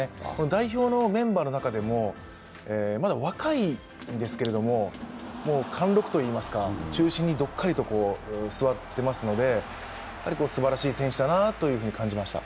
代表のメンバーの中でもまだ若いんですけれども、貫禄といいますか、中心にどっかり据わってますので、やはりすばらしい選手だなと感じました。